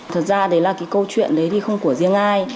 thật ra đấy là cái câu chuyện đấy thì không của riêng ai